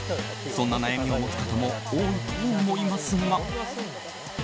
そんな悩みを持つ方も多いと思いますが。